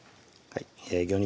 魚肉